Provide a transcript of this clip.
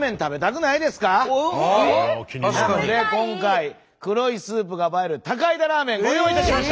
なので今回黒いスープが映える高井田ラーメンご用意いたしました！